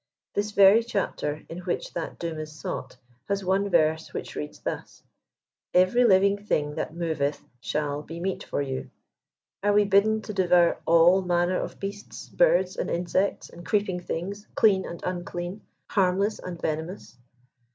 This very chapter, in which thalt doom is sought, has one verse which reads thus :" Every living thing that moveth shall be meat for you." Are we bidden to dexoat all manner of beasts, birds and insects, and creeping things^ clean and unclean, U7 harmless and venomous?